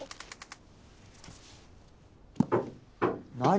「何？